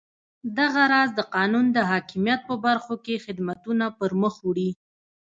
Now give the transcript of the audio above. دغه راز د قانون د حاکمیت په برخو کې خدمتونه پرمخ وړي.